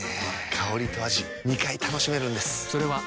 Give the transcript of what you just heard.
香りと味２回楽しめるんです。